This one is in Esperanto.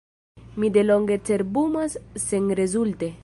Mi delonge cerbumas senrezulte.